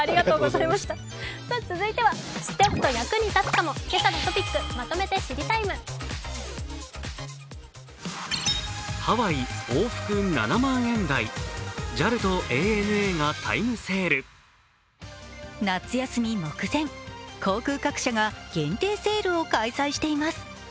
続いては知っておくと役に立つかも今朝のトピックまとめて「知りＴＩＭＥ，」。夏休み目前、航空各社が限定セールを開催しています。